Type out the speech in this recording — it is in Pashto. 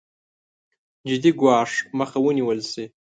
جدي ګواښ مخه ونېول شي.